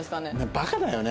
バカだよね。